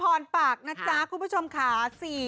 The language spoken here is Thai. อนปากนะจ๊ะคุณผู้ชมค่ะ